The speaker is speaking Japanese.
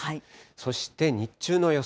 そして日中の予想